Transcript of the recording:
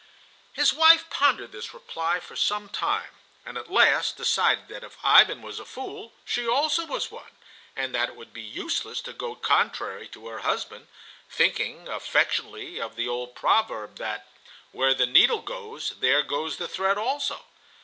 His wife pondered this reply for some time, and at last decided that if Ivan was a fool she also was one, and that it would be useless to go contrary to her husband, thinking affectionately of the old proverb that "where the needle goes there goes the thread also."